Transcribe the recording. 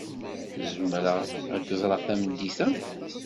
Zemreɣ ad k-ẓreɣ tameddit-a?